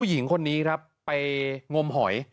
หญิงคนนี้ครับไปงมหอย